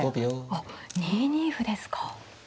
あっ２二歩ですか。